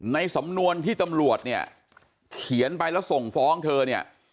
ในสำนวนที่ตำรวจเนี่ยเขียนไปแล้วส่งฟ้องเธอเนี่ย